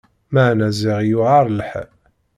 Meεna ziɣ i yuεer lḥal!